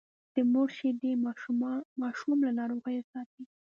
د مور شیدې ماشوم له ناروغیو ساتي۔